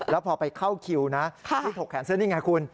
แล้วพอไปเข้าคิวนะที่ถกแขนเสื้อนี่ไงคุณ